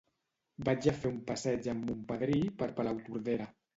Vaig a fer un passeig amb mon padrí per Palautordera.